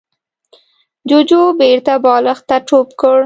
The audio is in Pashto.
جوجو بېرته بالښت ته ټوپ کړ.